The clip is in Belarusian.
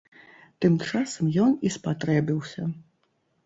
Тым часам ён і спатрэбіўся.